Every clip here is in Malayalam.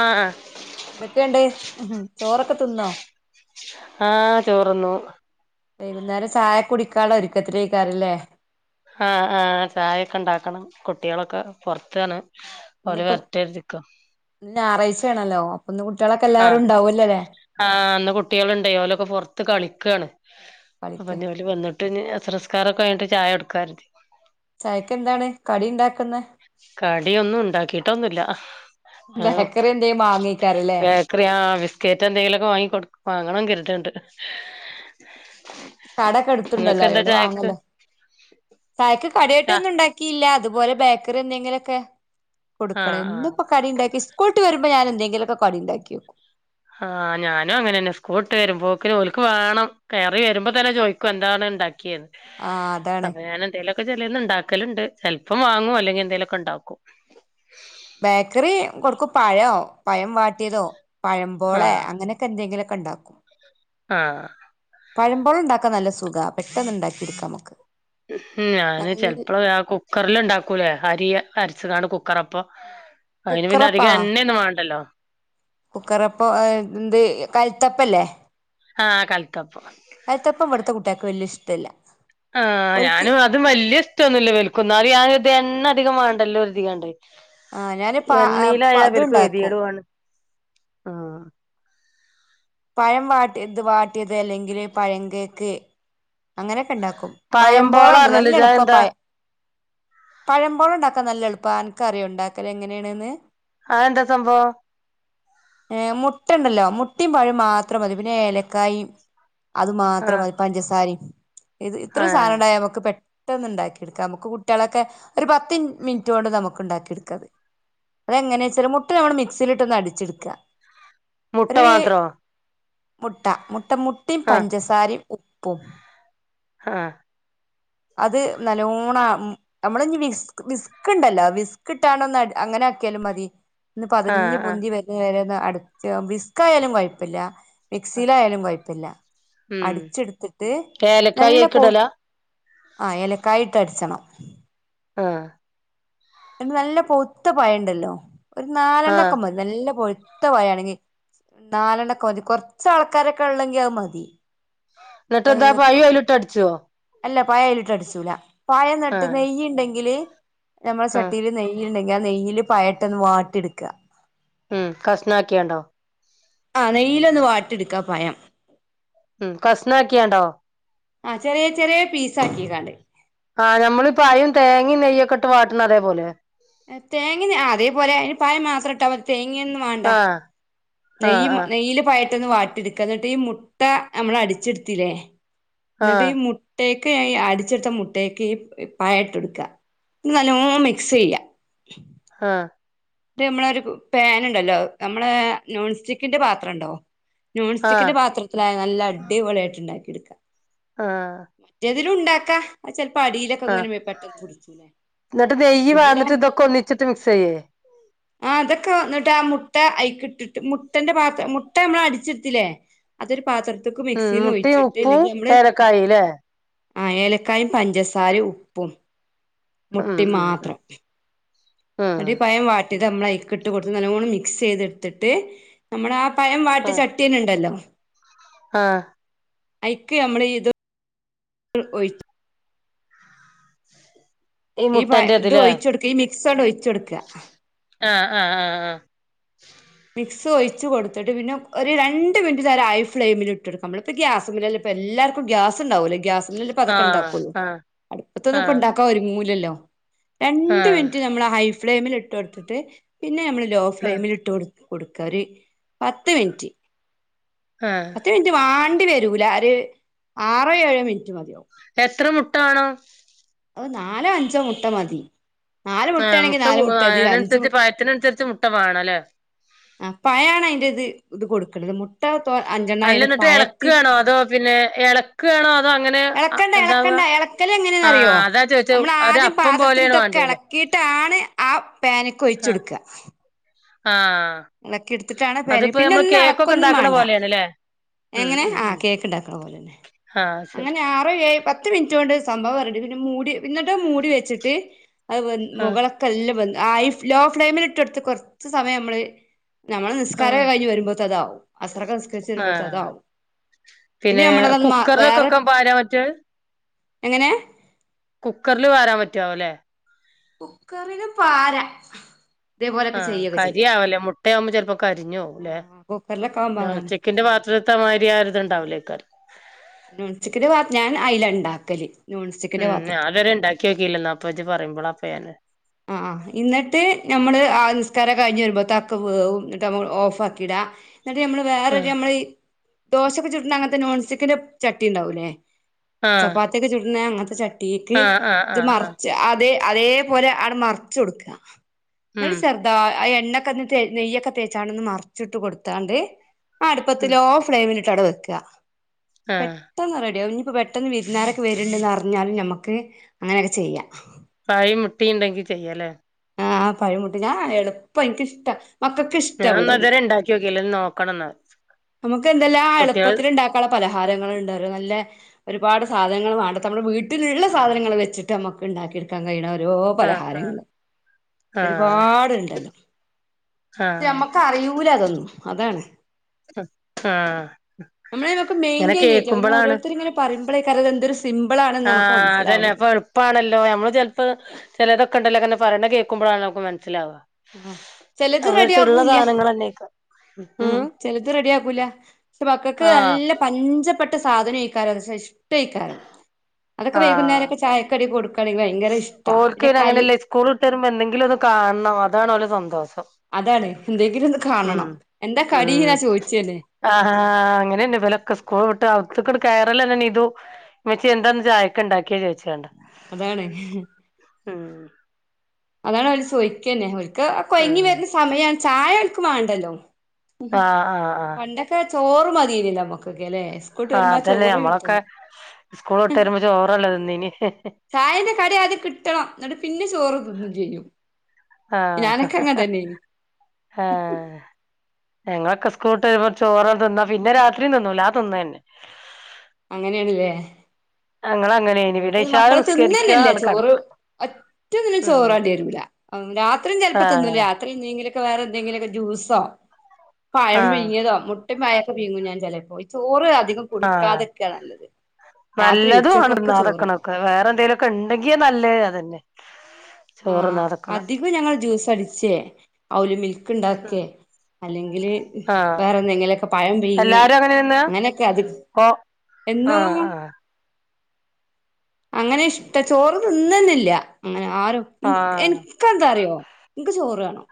ആഹ എന്തൊക്കെയണ്ട്േ ചോറൊക്കെ തിന്നോ ആഹ് ചോറ്ന്നു. വൈകുന്നേരം ചായ കുടിക്കാള്ള ഒരിക്കത്തിലേക്കാരല്ലേ? ഹാ ആഹ് ചായൊക്കെ ഇണ്ടാക്കണം കുട്ടികളൊക്കെ പൊറത്താണ്. ഇന്ന് ഓല് ഇപ്പൊ വരട്ടെരുതിക്ക ഇന്ന് ഞാറാഴ്ചേണല്ലോ അപ്പൊ ഇന്ന് കു ആഹ് ആഹ് ഇന്ന് കുട്ടികള്ണ്ടേയ് ഓലൊക്കെ പൊറത്ത് കളിക്കാണ്. കളിക്ക് അപ്പഞ്ഞ് ഓല് വന്നിട്ട് അസറ്സ്കാരൊക്കെ കഴിഞ്ഞിട്ട് ചായൊട്ക്കാര്തി. ചായക്ക് എന്താണ് കടി ഉണ്ടാക്കുന്നെ കടി ഒന്നും ഉണ്ടാക്കീട്ടൊന്നുല്ല. ബേക്കറ്യെന്തേം മാങ്ങയ്ക്കാരല്ലേ ബേക്കറി ആഹ് ബിസ്ക്കറ്റ് എന്തെങ്കിലൊക്കെ വാങ്ങി കൊട് വാങ്ങണം കെരുത്ണ്ട്. കടക്കെ എട്ത്തുണ്ടല്ലോ അയോണ്ട് വാങ്ങല്ലോ ചായക്ക് കടിയായിട്ട് ആഹ് ഒന്നും ഉണ്ടാക്കില്ല ഇത് പോലെ ബേക്കറി എന്തെങ്കിലൊക്കെ കൊടുക്കണം. എന്നും ആഹ് ഇപ്പോ കടിണ്ടാക്ക്യ സ്കൂള്ട്ട് വരു മ്പ ഞാന് എന്തെങ്കിലൊക്കെ കടിണ്ടാക്കിയേക്കും. ആഹ് ഞാനും അങ്ങനെന്നെ സ്കൂൾട്ട് വരുമ്പോക്ക്ന് ഓൽക്ക് വേണം കയറി വരുമ്പൊ തന്നെ ചോയ്ക്കും എന്താണ് ഇണ്ടാ ക്കിയേന്ന് ആഹ് അതാണ് അപ്പൊ ഞാൻ എന്തേലൊ ക്കെ ചെലേന്ന് ഇണ്ടാക്കല്ണ്ട് ചെലപ്പം വാങ്ങും അല്ലെങ്കി എന്തേലൊക്കെ ഇണ്ടാക്കും. ബേക്കറി കൊടുക്കും പഴോ പഴം വാട്ടിയതോ പഴം പോളെ ആഹ് അങ്ങനെയൊക്കെ എന്തെങ്കിലൊ ക്കെണ്ടാക്കും. ആഹ് പഴം പോളണ്ടാക്കാൻ നല്ല സുഖാ പെട്ടെന്ന്ണ്ടാക്കി ഇട്ക്കാ നമക്ക്. ഹും ഞാന് ചെലപ്പള് ആ കുക്കറില് ഇണ്ടാക്കൂലേ അരി അര ച്ച് കാണ്ട് കുക്കറപ്പം അയ്ന് പിന്നെ അധിക എണ്ണെന്നും വാണ്ടല്ലോ. കുക്കറപ്പോ അ എന്ത് കൽത്തപ്പല്ലേ. ആഹ് കൽത്തപ്പം. ത്തെ കുട്ടിയേക്ക് വല്യ ഇഷ്ടല്ല്യ. ആഹ് ഞാനും അതും വല്യ ഇഷ്ട്ടൊന്നുല്ല ഇവൽക്കൊന്നും ന്നാലും ഞാൻ കര്തും എണ്ണ അധികം വാണ്ടല്ലോര്തികാണ്ടെ ആ ഞാന് പ എണ്ണീലായാ ഇവൽക്ക് ഇത്ണ്ടാക്കും കെതിടുആണ് ആഹ്. പഴം വാട്ടി ഇത് വാട്ടിയത് അല്ലെങ്കിൽ പഴം കേക്ക് അങ്ങനെയൊക്കെണ്ടാ ക്കും പയം പഴംമ്പോള പോളണ്ട് പറഞ്ഞില്ലേ നല്ല ഇജ്ജ് എളുപ്പ അതെന്താ പയ പഴം പോള ഉണ്ടാക്കാൻ നല്ല എളുപ്പാ അനക്ക് അറിയോണ്ടാക്കല് എങ്ങനേണ്ന്ന്. ആതെന്താ സംഭവം. ഏ മുട്ടണ്ടല്ലോ മുട്ടിം പഴും മാത്രം മതി പിന്നെ ഏലക്കായി അത് മാത്രം ആഹ് മതി പഞ്ചസാരിം. ഇത് ഇത്ര ആഹ് സാധനണ്ടായ നമക്ക് പെ ട്ടന്ന് ഉണ്ടാക്കിയെടുക്കാ നമുക്ക് കുട്ട്യാളൊക്കെ ഒരു പത്തിൻ മിൻറ്റ് കൊണ്ട് നമുക്ക് ഉണ്ടാക്കിയെടുക്കാത്. അതെങ്ങനേച്ചാല് മുട്ട നമ്മള് മിക്സിയിലിട്ട് ഒന്ന് അടിച്ചെടുക്കാ മുട്ട മാത്രോ മുട്ട മുട്ട മുട്ടിം ആഹ് പഞ്ചസാരിം ഉപ്പും. ആഹ് അത് നല്ലോണം നമ്മള്ഞ്ഞ് വിസ്ക് വിസ്ക്ണ്ടല്ലോ വിസ്ക് ഇട്ടാണ്ട് ഒന്നടി അങ്ങനാക്കിയാലും മതി ഒന്ന് ആഹ് പതഞ്ഞു ആഹ് പൊന്തി വരന്നവരെ ഒന്ന് അടച്ച് വിസ്ക് ആയാലും കൊയ്പ്പല്ല. ആഹ് മിക്സിയിലയാലും കൊഴപ്പല്ല അടിച്ചെടുത്തിട്ട് ക്കായി നല്ല അയ്ക്ക് പോ ഇടലാ. ആ ഏലക്കായിട്ട് അടിച്ചണം. ആഹ് [unintelligible] നല്ല പൊവ്ത്ത പഴണ്ടല്ലോ ഒരു ആഹ് നാലെണ്ണൊക്കെ മതി നല്ല പൊഴ് ത്ത പഴാണെങ്കിൽ നാലെണ്ണക്കെ മതി കൊർച്ച് ആൾക്കാരൊക്കെ ഉള്ളെങ്കി ആത് മതി. ന്നിട്ടെന്താ അത് പയും അയിലിട്ട് അടിച്ചോ. അല്ല പയഅയിലിട്ട് അടിച്ചൂല പയന്ന്ട്ട് ആഹ് നെയ്യുണ്ടെങ്കില് നമ്മളെ ആഹ് ചട്ടിയില് നെയ്യ്ണ്ടെങ്കി ആ നെയ്യില് പയട്ടൊന്ന് വാട്ടി ഇട്ക്കാ ഉം കഷ്ണാക്കിയാണ്ടോ? ആ നെയ്യിലൊന്ന് വാട്ടിടുക്കാ പയം. ഉം കസ്നാക്കിയാണ്ടോ? ആ ചെറിയ ചെറിയ പീസ് ആക്കി കാണ്ട്. ആ നമ്മളി പയും തേങ്ങയും നെയ്യൊക്കെട്ട് വാട്ടുന്ന അതേപോലെ? തേങ്ങ അതേപോലെ അതിന് പായം മാത്രം ഇട്ടാ തേങ്ങയൊന്നും വേണ്ട. ആഹ് ആഹ് നെയ്യ് ആഹ് നെയ്യിൽ പയട്ടൊന്ന് വാട്ടിടുക്ക എന്നിട്ട് ഈ മുട്ട നമ്മള് അടിച്ചെടുത്തിലേ ന്നട്ട് ഈ ആഹ് മുട്ടയക്ക് അടിച്ചെടുത്ത മുട്ടയക്ക് ഈ പഴട്ടൊടുക്കാ. ഇന്നട്ട് നല്ലോ മിക്സ് ചെയ്യ. ആഹ നമ്മളൊ ഒരു പൻ ഉണ്ടല്ലോ നമ്മള നോൺസ്റ്റിക്കിന്റെ പാത്രം ഉണ്ടോ ആഹ് നോൺസ്റ്റിക്കിന്റെ പാത്രത്തിലായ നല്ല അടിപൊള ആായിട്ട് ഉണ്ടാക്കി എടുക്കാം ആഹ അതില ഉണ്ടാക്കാ ച ആഹ എന്നിട്ട് നെയ്യ ഇതില വാന്നിട്ട് ഇതൊക്കെ ഒന്നിച്ചിട്ട് മിക്സ് ചെയ്യേ ആ അതൊക്കെ വന്നിട്ട് ആ മുട്ട അയിക്കിട്ടിട്ട് മുട്ടന്റെ പാത്രം മുട്ട നമ്മള അടിച്ചെടുത്തില്ലേ അതൊരു പാത്രത്തൊക്ക് ഉം മിക്സിന്ന് മുട്ടയും ഒഴിച്ചിട്ട് ഉപ്പും അല്ലെങ്കി നമ്മള് ഏലക്കായില്ലേ ആ ഏലക്കായും പഞ്ചസാര ഉപ്പും ഉം മുട്ടി ഉം ഉം മാത്രം ഉം അ പയം വാറ്റിട്ട് നമ്മൾ അക്കിട്ട് കൊടുത്ത് നല്ലോൂണം മിക്സ് ചെയ്തെടുത്തിട്ട് നമ്മള ആ പയം വാട്ടി ചട്ടീന ഉണ്ടല്ലോ ആഹ അഐക്ക് നമ്മള് ഇത് ഒഴിച്ചു ഈ മുട്ടന്റെ ഇത് ഇതിലെ ഒഴിച്ച കൊടുക്ക ഈ മിക്സോട് ഒഴിച്ച കൊടുക്ക ആഹ ആഹ് ആഹ് ആഹ മിക്സ് ഒഴിച്ചച്ച് കൊടുത്തിട്ട് പിന്നെ ഒരു രണ്ട് മിനിറ്റ് തം ഹൈ ഫ്ലെയിമിൽ ഇട്ട്െടുക്കും നമ്മളിപ്പ ഗ്യാസ എല്ലാർക്കും ഗ്യാസ് ഉണ്ടാവൂലേ ഗ്യാസപ്പ അതക്കെണ്ടുകുള്ളൂ ആഹ് ആഹ് അടുപ്പത്തൊന്ന ഇപ്പ ഉണ്ടാക്കാൻ ഒരുങ്ങൂല്ലല്ലോ രണ്ട് ആഹ് മിനിറ്റ് നമ്മൾ ഹൈ ഫ്ലെയിമിൽ ഇട്ട് കൊടുത്തിട്ട് പിന്നെ നമ്മള് ലോ ആഹ് ആഹ് ഫ്ലെയിമിൽ ഇട്ട് കൊടുത്ത് കൊടുക്കരു പത്ത് മിനിറ്റ് ആഹ് പത്ത് മിനിറ്റ് വാണ്ടി വരൂല ആ ആറോ ഏഴോ മിനിറ്റ് മതിയവും എത്ര മുട്ടാണോ നാലോ അഞ്ചോ മുട്ട മതി നാല് ആ മുട്ടയാണെങ്കി മുട്ട നാല് ഇത് അഞ്ച് മു അതിനനുസരിച്ച് പായത്തിനനുസരിച്ച് മുട്ട വേണംല്ലേ ആ പയാണ് അതിന്റെ ഇത് ഇത് കൊടുക്കത് മു അല്ല എന്നിട്ട് ഇളക്ക് വേണോ അതോ പിന്നെ ഇളക്ക് വേണോ അതോ അങ്ങനെ എന്ത ഇളക്കൽ എങ്ങനെയന്നറിയോ നമ്മൾ ഒരു ആദ്യം അപ്പം പോലെയാണ് പാത്രത്തിലിട്ടൊക്കെ വേണ്ടിയല്ലേ ഇളക്കിയിട്ടാണ് ആ പാനൊക്കെ ഒഴിച്ച കൊടുക്ക ആഹ പാന് അതിപ്പോ പിന്നെ നമ്മൾ ഒന്നും കേക്കൊക്കെ എളക്കൊന്നും ഇണ്ടാക്കണ വേണ്ട പോലെയണല്ലേ എങ്ങനെ ആ കേക്ക് ഉണ്ടാക്കണ പോലെന്നെ ആഹ് ശരി അങ്ങനെ ആറോ ഏ പ പത്ത് മിനിറ്റ്ുക കൊണ്ട് സംഭവം പററണ്ട് പിന്നെ മൂടി പിന്നിട്ട് മൂടി വെച്ചിട്ട് അത് വ ആഹ് മുകളളൊക്കെല്ലാം വന്ന ഹൈ ലോ ഫ്ലെയിമിലിട്ട് എടുത്ത് കുറച്ച് സമയം നമ്മള് നമ്മള് നിസ്കാര ആഹ് കഴിഞ്ഞ് വരുമ്പോഴ അതാവും അസറൊക്കെ നിസ്കരിച്ച് വരുമ്പോഴ ആഹ് അതാവും പിന്നെ നമ്മളതൊന്ന് മാ കുക്കറിലൊക്കെ വേറെ ഒക്കെ പരാൻ മറ്റേ എങ്ങനെ കുക്കറിില് വരാൻ പറ്റാവ അല്ലേ ഉക്കറിെ പാര ഇതേപോലൊക്കെ ആഹ ചെയ്യൊക്കെ ചെയ്യാം കരിയാവല്ലേ മു ഇട്ട ആവുമ്പോ ചിലപ്പോൾ കരിഞ്ഞോ അല്ലേ ആ കുക്കറിലൊക്കെ ആവുമ്പോ ാ അതാണ് ചിക്കിന്റെ പാത്രത്തിത്തെ മാതിരി ആരി ഇത്ണ്ടാവില്ലേക്കാർ ഉിക്ക ഞാൻ അയില ഉണ്ടാക്കല് ഉം അതവരെ ഉണ്ടാക്കി നോക്കില്ലന്ന അപ്പേച്ചി പറയുമ്പോള അപ്പഞെ ആഹ എന്നിട്ട് നമ്മള് ആ നിസ്കാരം കഴിഞ്ഞ് വരുമ്പോ തക്ക വ എന്നിട്ട്മ്മ ഓഫ് ആക്കിടാ എന്നിട്ട് നമ്മള് ആഹ് വേറെൊക്കെ നമ്മൾ ഈ ദോശൊക്കെ ചുട്ട അങ്ങനത്തെ നോൺസ്റ്റിക്കിന്റെ ചട്ടി ഉണ്ടാവൂല്ലേ ചപ്പാത്തിക്ക് ചുട്ന അങ്ങനത്തെ ചട്ടിക്ക് ആഹ് ആഹ് ആഹ് ഇത് ആഹ് ആഹ് മറച്ച് അതെ അതേപോലെ അ മറിച്ച് കൊടൂക്ക ഉം എന്ന ചെറുതാ എണ്ണക്ക നെയ്യൊക്കെ തേച്ചാ ഒന്ന് മറിച്ചിട്ട് കൊടുത്താണ്ട് ആ അടുപ്പത്ത് ഉം ലോ ഫ്ലെയിമിൽട്ട് ഇട്ടട വെക്ക ആഹ് പെട്ടെന്ന് റെഡിയകും ഇപ്പൊ പെട്ടന്ന് വിരുന്നാരൊക്കെ വരുണ്ടെന്ന്റിഞ്ഞാലും ഞമുക്ക് അങ്ങനെയൊക്കെ ചെയ്യാം കൈ മുട്ടിയ ഉണ്ടെങ്കി ചെയ്യല്ലേ ആഹ് പഴിമുട്ടി ഞാ എളുപ്പം എനിക്കിഷ്ട മക്കൾക്ക് ഇഷ്ട ഇവിടത് ഞാൻന്നതുരെ ഉണ്ടാക്കി നോക്കല്ലന്ന് നോക്കണം എന്ന നമുക്ക് എന്തല്ല ആ എളുപ്പത്തിൽ ഉണ്ടാക്കാനുള്ള പലഹാരങ്ങൾ ഉണ്ട [unintelligible] നല്ല ഒരുപാട് സാധനൾ വേണ്ട നമ്മുടെ വീട്ടിലുള്ള സാധനങ്ങൾ വച്ചട്ട് നമുക്ക് ഉണ്ടാക്കിയെടുക്കാൻ കഴിയണ ഓരോ ആഹ് ആഹ് പലഹാരങ്ങള് ആഹ് ഒരുപാട് ഉണ്ടല്ലോ ആഹ് മ്മക്ക് അറിയൂല അതൊന്നും അതാണ് ആഹ് നമ്മള നൊക്കെ ഇങ്ങനെ മെയിന്റെയിൻ ചെയ്യല്ല കേക്കുമ്പളാണ് ഓരോരുത്തർ ഇങ്ങനെ പറയുമ്പോഴേക്കത് എന്തൊരു സിമ്പിൾ ആണെന്ന് നമുക്ക് ആഹ് അതന്നെ മനസ്സിലാവണത് അപ്പൊ എളുപ്പാണല്ലോ നമ്മള് ചെിലപ്പോ ചിലതൊക്കണ്ടലോ ന്ന പറേണ കേൾക്കുമ്പഴാ നമു മനസ്സിലാവു ആഹ് നമ്മളടുത്തിള്ള സാധനങ്ങൾന്നെയ ഉം ചെലത് റെഡിയ ആക്കൂല പക്ഷെ വക്കക്ക് ആഹ് നല്ല പഞ്ച ഇപ്പെട്ട സാധനം [unintelligible] അതൊക്കെ വൈകുന്നേരംക്കെ ചായക്കടി കൊടുക്കളി ഓൾക്ക് അയിനു അങ്ങനെയല്ലേ സ്കൂൾ ഇട്ട വരുമ്പോ എന്തെങ്കിലും ഒന്ന് കാണണം അതാണ് ഓര സന്തോസം അതാണ് എന്തെങ്കിലും ഒന്ന് കാണണം എന്താ കടനാ ചോദിച്ചല്ലേ ആഹ് ഹാ അങ്ങനെയന്നെ വിലൊക്കെ സ്കൂൾ വിട്ട് [unintelligible] കയറൽ എന്നെ ന ഇതു മച്ചച്ച് എന്താണന്ന് ചായക്ക ഉണ്ടാക്കിയോ ചോദിച്ചണ്ടാ അതാണ് ഉം അതാണ് അവര് ചോയ്ക്ക്ന്നെ അവക്ക് കൊഴങ്ങി ഉം വരുന്ന സമയണ് ചായ അവക്ക് വേണ്ടല്ലോ ആഹ് ആഹ് പണ്ടൊക്കെ ചോറ് മതിനില്ലോ ഞമ്മക്ക് ആ അതെന്നെ ഞമ്മളൊക്കെ സ്കൂൾ ഇട്ട് വെരുമ്പോ ചോറല്ലേ തിന്നീന് തിന്റെ കടി ആദ്യം കിട്ടണം ന്ന്ട്ട് പിന്നെ ചോറ് തിന്നും ചെയ്യും ആ ഞാനൊക്കെ അങ്ങനെ തന്നേനി ഞങ്ങളൊക്കെ സ്കൂട്ടെരുമ്പോ ചോറൊന്നും തിന്നാ പിന്നെ രാത്രിയും തിന്നൂല ആ തിന്നതെന്നെ അങ്ങനെണ് ല്ലേ അങ്ങനെയ്നി ഇവിടെ പിന്നെ ഈ ഇശാ മക്കള് നിസ്കരിക്ക തിന്നെന്നല്ല ആണ്ട് ചോറ് കടക്കും റ്റൊന്നിനും ഉം ചോറാണ്ടി വരൂല്ല രാത്രിയും ഉം ചെലപ്പോ തിന്നൂല്ല ആഹ് രാത്രി ന്തെങ്കിലും വേറെ ന്തെങ്കിലൊക്കെ ജ്യൂസോ പഴം ആഹ് പിഴങ്ങിയതോ മു ട്ടെ പയോക്കെ പിയ്ങ്ങും ഞാൻ ചെലേപ്പൊ ചോറ് അധികം ആഹ് കൊടുക്കാതെക്കാ നല്ലത് രാത്രി ഉച്ചക്കൊ ന്നാതെക്കണം അക്കെ വേറെ എന്തേലൊക്കെ ണ്ടെങ്ക നല്ലത് അതെന്നെ ആ അധികം ഞങ്ങള് ജ്യൂസടിച്ചേ ഔലി മിൽ ഉം ക്ക്ണ്ടാക്കെ അല്ലെങ്കില് ആഹ് വേറെ എന്തെങ്കിലൊക്കെ പഴം പിയ്ങ്ങെ അങ്ങനൊക്കത് ആ ആ അങ്ങനെ ഇഷ്ട ചോറ് തിന്നെന്നല്ല അങ്ങനെ ആരും ആഹ് എൻക്കെന്താറിയോ ക്ക് ചോറ് വാണം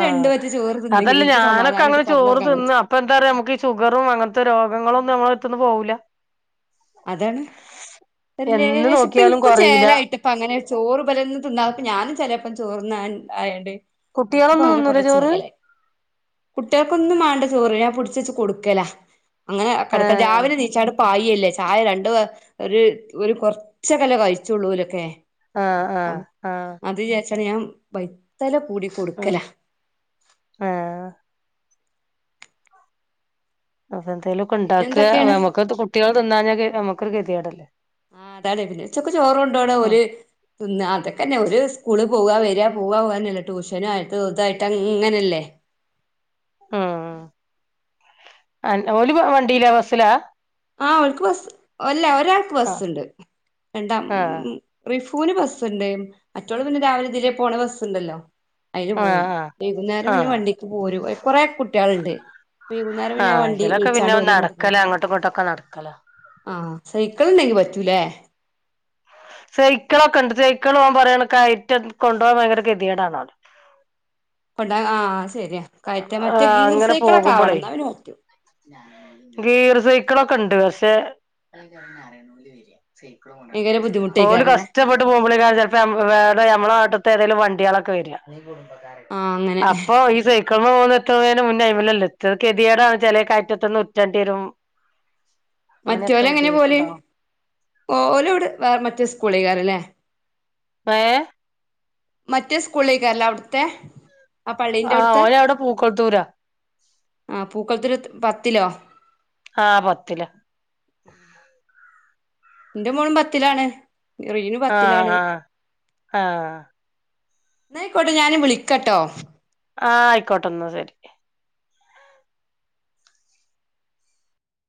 ആ അതല്ല ഞാനൊക്കെ സമാധാനായിട്ട് അങ്ങനെ ചോറ് കടന്നൊറങ്ങാൻ തിന്ന് പറ്റും അപ്പൊ എന്താ റിയോ ഞമ്മക്ക് ഈ ഷുഗറും അങ്ങൻത്തെ രോഗങ്ങളും ഞമ്മളെട്ത്ത്ന്ന് പോവൂല അതാണ് ഒര് എന്ന് ലേശം പ്പം നോക്കിയാലും ഇൻക്കും കൊറീല ചേലായിട്ടൊപ്പങ്ങനെ ചോറ്ബെലെട്ത്ത്ന്ന് തിന്നാതെ ഞാനും ചെലേപ്പ പ്പം ചോർന്നാൻ ആയാണ്ട് കുട്ട്യാളൊന്നും തിന്നൂല ചോറ് കുട്ട്യാക്കൊന്നും വാണ്ട ചോറ് ഞാ പിടിച്ചെച്ച് കൊടുക്കല അങ്ങനെ കെടക്ക ആഹ് രാവിലെ നീച്ചാണ്ട് പായല്ലേ ചായ രണ്ട് ഒരു ഒരു കൊർച്ചൊക്കല്ലെ കയ്ച്ചൊള്ളൂ ഓലൊക്കെ ആഹ ആഹ ആഹ് അത് വിചാരിച്ചാണ് ഞാൻ വൈത്തല പൂടി ഉം കൊൊടുക്കല ആഹ് എത്തെ ലെക്കെ പിന്നെ ഉണ്ടാകാ എന്തൊക്കേണ് ഞമ്മക്കത് കുട്ടി ആൾ തിന്നാഞ്ഞാഞമക്കത് ഗതിയാടല്ലേ ആ [unintelligible] ഉച്ചക്കെ ചോറൊണ്ടോ ക്ണ ഉം ഓല് തിന്നാഅതൊക്കെന്നെ ഒരു സ്കൂള് പോവ വരിക പോവ പോാനല്ല ട്യൂഷനും ആയിട്ട് ഇതായിട്ട് അങ്ങനല്ലേ ഉം അൻ ഓൽവണ്ടിയിലാ ബസ്സിലാ ആഓൽക്ക്ബസ് അല്ല ഒരാൾക്ക് ആഹ് ബസ്സ്ണ്ട് രണ്ട ആഹ് [unintelligible] പൂന് ബസ്ണ്ട് മറ്റോള് പിന്നെ രാവിലെ തിലെ പോണ ബസ്സുണ്ടല്ലോ അയില് പോകും ആഹ് വൈകുന്നേരം പിന്നെ ആഹ് വണ്ടിക്ക് പോരു കുറെ കുട്ടികളുണ്ട് വൈകുന്നേരം പിന്നെ ആഹ് വണ്ടി ഇവലൊക്കെ പിന്നെ വിളിച്ചാണ്ട് ഓല് നടക്കല [unintelligible] അങ്ങോട്ടും ഇങ്ങോട്ടൊക്കെ നടക്കല ആഹ സൈക്കിൾ ഉണ്ടെങ്കി പറ്റൂലേ സൈക്കിളൊക്കെ ഉണ്ട് സൈക്കിൾ പോകാൻ പറയണ കയറ്റം കൊണ്ടു പോകാൻ ഭയങ്കര ഗതിയേടാണോ [inaudible] [unintelligible] ശെരിയാ കയറ്റ മറ്റേ ആഹ് ഗീർ അങ്ങനെ സൈക്കിളൊക്കെ പോകുമ്പോളേ ആവണംന്ന [unintelligible] മക്കളൊക്കെണ്ട്ക്ഷെ ഭയങ്കര ഓല ബുദ്ധിമുട്ടേക്കാരല്ലേ കഷ്ടപ്പെട്ട് പോകുമ്പോളേയ്ക്കാരം ചെല്ലപ്പൊ [unintelligible] ന്നട്ട് ഏതങ്കിലും വണ്ട്യാള് ഒക്കെ വരാ ആ അങ്ങനെ അപ്പോ ഇത് [unintelligible] മൂന്ന [unintelligible] എത്തുന്നേന് മുന്നേ അയ്മലല്ലേ എത്താ അത് കെ ത്യേടാവുംചെലകയറ്റത്തന്ന് ഉര്‌റ്റേണ്ടി രും [inaudible] മ, റ്റോ ലെങ്ങനെല എങ്ങനെ പോലെ ഓല. ഇട് വേറെ മറ്റേ സ്കൂളിക്കാരല്ലേ ഏ മറ്റേ സ്കൂളേക്കല്ല അവിടത്തെ ആഹ ഓന അവിടെ പൂക്കൾത്തൂരാ ആ പൂക്കളത്തില്രു പത്തിലോ ആഹ് പത്തിലാ എന്റെ മോളും പത്തിലാണ് റിനു ആഹ് പത്തിലാണ് ആഹ് ആഹ് ന്ന അയ്ക്കോട്ടെ ഞാന് വിളിക്കട്ടോ ആഹ ആയിക്കോട്ടൊന്ന് ശരി